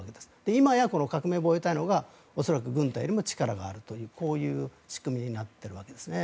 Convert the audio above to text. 今や革命防衛隊が恐らく軍隊よりも力があるというこういう仕組みになっているわけですね。